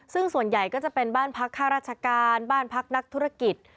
ซึ่งส่วนใหญ่ก็จะเป็นบ้านพักค่าราชการบ้านพักนักธุรกิจ